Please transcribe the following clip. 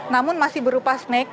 namun masih berupa snek